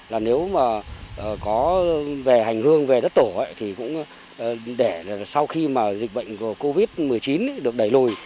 là nếu mà có về hành hương về đất tổ thì cũng để sau khi mà dịch bệnh covid một mươi chín được đẩy lùi